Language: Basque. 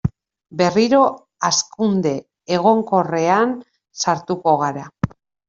Berriro hazkunde egonkorrean sartuko gara.